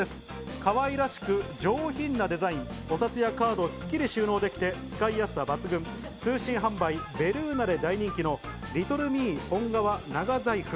かわいらしく上品なデザイン、お札やカードをすっきり収納できて使いやすさ抜群、通信販売ベルーナで大人気のリトルミイ本革長財布。